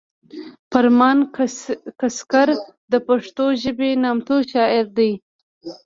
فرمان کسکر د پښتو ژبې نامتو شاعر دی